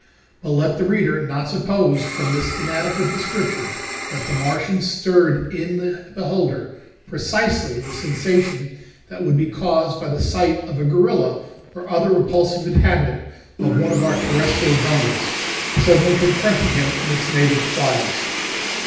But let the reader not suppose from this inadequate description that the Martians stirred in the beholder precisely the sensation that would be caused by the sight of a gorilla, or other repulsive inhabitant of one of our terrestrial jungles, suddenly confronting him in its native wilds.